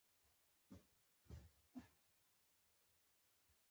زړه د بدن عضلاتو ته حیاتي مواد رسوي.